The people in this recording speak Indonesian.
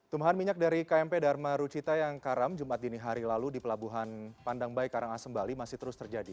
tumpahan minyak dari kmp dharma rucita yang karam jumat dini hari lalu di pelabuhan pandang bayi karangasem bali masih terus terjadi